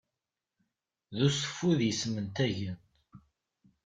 D useffud yesmentagen.